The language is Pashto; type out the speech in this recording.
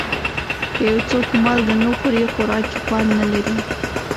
که یو څوک مالګه نه خوري، خوراک یې خوند نه لري.